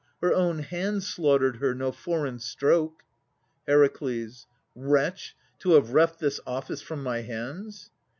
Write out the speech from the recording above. Her own hand slaughtered her, no foreign stroke. HER. Wretch! to have reft this office from my hands.